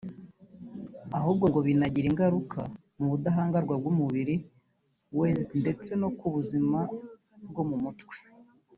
ahubwo ngo binagira ingaruka ku budahangarwa bw’umubiri we ndetse no ku buzima bwo mu mutwe